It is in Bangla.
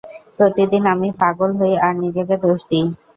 প্রতিদিন আমি পাগল হই, আর নিজেকে দোষ দিই।